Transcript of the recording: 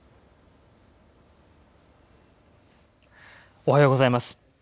おはようございます。